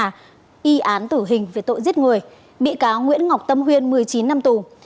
tòa y án tử hình về tội giết người bị cáo nguyễn ngọc tâm huyên một mươi chín năm tù